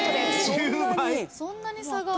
そんなに差が。